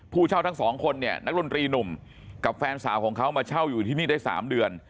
เช่าทั้งสองคนเนี่ยนักดนตรีหนุ่มกับแฟนสาวของเขามาเช่าอยู่ที่นี่ได้๓เดือน